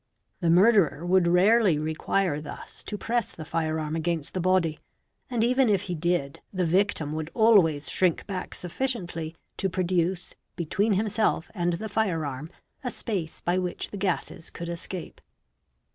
The murderer would rarely } Te require thus to press the fire arm against the body; and even if he did, b he victim would always shrink back sufficiently to produce, between ' himself and the fire arm a space by which the gases could escape.